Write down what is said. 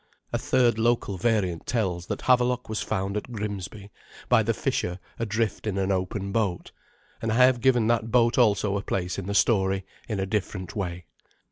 A third local variant tells that Havelok was found at Grimsby by the fisher adrift in an open boat; and I have given that boat also a place in the story, in a different way.